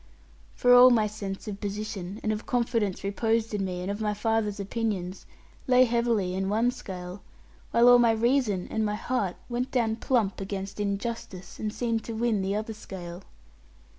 For all my sense of position, and of confidence reposed in me, and of my father's opinions, lay heavily in one scale, while all my reason and my heart went down plump against injustice, and seemed to win the other scale.